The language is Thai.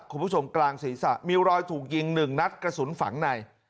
คุณผู้ชมกลางศีรษะมีรอยถูกยิงหนึ่งนัดกระสุนฝังใน